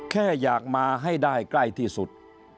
แค่อยากมาให้ได้ใกล้ที่สุด